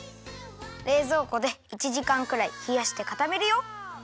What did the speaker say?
れいぞうこで１じかんくらいひやしてかためるよ。